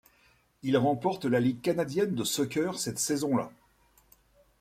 Il remporte la Ligue canadienne de soccer cette saison-là.